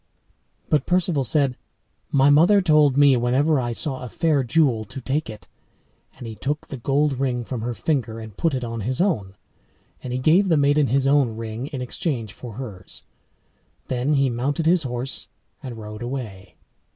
But Perceval said, "My mother told me wheresoever I saw a fair jewel to take it," and he took the gold ring from her finger, and put it on his own; and he gave the maiden his own ring in exchange for hers; then he mounted his horse and rode away.